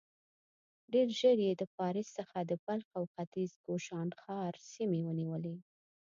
ډېر ژر يې د پارس څخه د بلخ او ختيځ کوشانښار سيمې ونيولې.